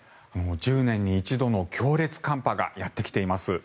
１０年に一度の強烈寒波がやってきています。